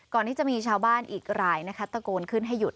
ก่อนที่จะมีชาวบ้านอีกรายนะคะตะโกนขึ้นให้หยุด